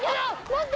待って。